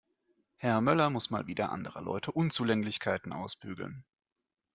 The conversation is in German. Herr Möller muss mal wieder anderer Leute Unzulänglichkeiten ausbügeln.